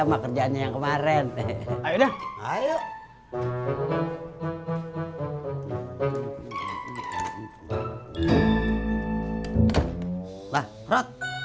sama kerjaannya yang kemarin ayo